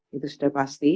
itu sudah pasti